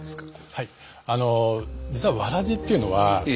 はい。